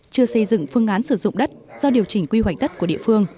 chưa xây dựng phương án sử dụng đất do điều chỉnh quy hoạch đất của địa phương